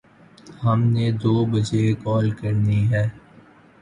ہم نے دو بجے کال کرنی ہے